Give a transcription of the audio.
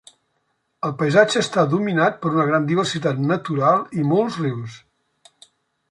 El paisatge està dominat per una gran diversitat natural i molts rius.